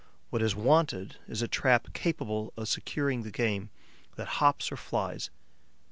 What is wanted is a trap capable of securing the game that hops or flies.